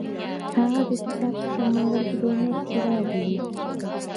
هغه د کتاب په سمندر کې د امید څراغ ولید.